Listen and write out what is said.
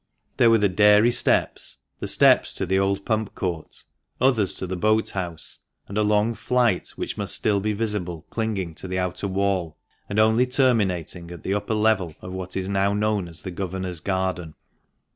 There were the Dairy steps (initial I), the steps to the old Pump court (initial J), others to the Boat house, and a long flight which must still be visible clinging to the outer wall, and only terminating at the upper level of what is now known as the Governor's Garden.